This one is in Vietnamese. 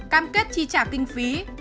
cam kết chi trả kinh phí